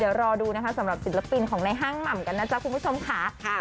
เดี๋ยวรอดูนะคะสำหรับศิลปินของในห้างหม่ำกันนะจ๊ะคุณผู้ชมค่ะ